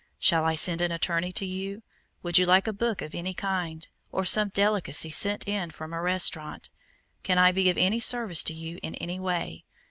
Shall I send an attorney to you? Would you like a book of any kind? Or some delicacy sent in from a restaurant? Can I be of any service to you in any way?